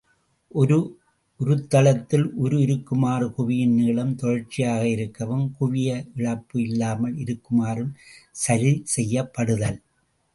ஒரே உருத்தளத்தில் உரு இருக்குமாறு குவிய நீளம் தொடர்ச்சியாக இருக்கவும் குவிய இழப்பு இல்லாமல் இருக்குமாறும் சரி செய்யப்படுதல்.